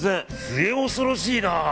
末恐ろしいな。